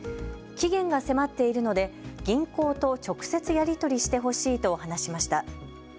期限が迫っているので銀行と直接やり取りしてほしいと話しました。